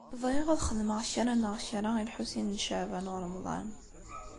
Bɣiɣ ad xedmeɣ kra neɣ kra i Lḥusin n Caɛban u Ṛemḍan.